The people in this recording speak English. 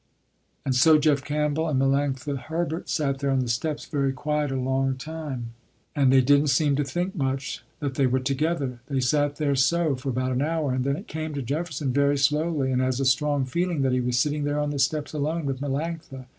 And so Jeff Campbell and Melanctha Herbert sat there on the steps, very quiet, a long time, and they didn't seem to think much, that they were together. They sat there so, for about an hour, and then it came to Jefferson very slowly and as a strong feeling that he was sitting there on the steps, alone, with Melanctha.